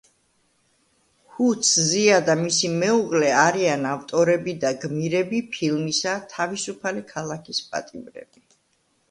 ჰუ ცზია და მისი მეუღლე არიან ავტორები და გმირები ფილმისა „თავისუფალი ქალაქის პატიმრები“.